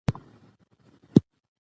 ځوانان باید د ده ملاتړي شي.